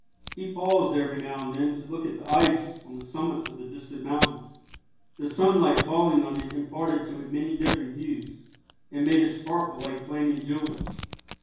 He paused every now and then to look at the ice on the summits of the distant mountains. The sunlight falling on it imparted to it many different hues, and made it sparkle like flaming jewels.